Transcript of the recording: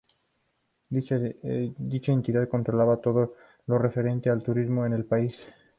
Dicha entidad controlaba todo lo referente al turismo en el país.